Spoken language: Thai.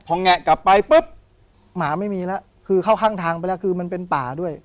พอแงะกลับไปปุ๊บหมาไม่มีแล้วคือเข้าข้างทางไปแล้วคือมันเป็นป่าด้วย